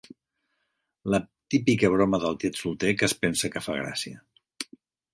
La típica broma de tiet solter que es pensa que fa gràcia.